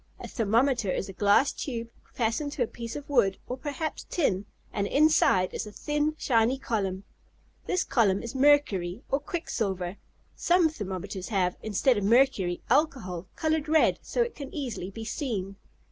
A thermometer is a glass tube, fastened to a piece of wood or perhaps tin, and inside is a thin, shiny column. This column is mercury, or quicksilver. Some thermometers have, instead of mercury, alcohol, colored red, so it can easily be seen.